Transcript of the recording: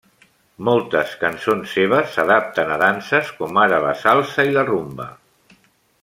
Moltes cançons seves s'adapten a danses com ara la salsa i la rumba.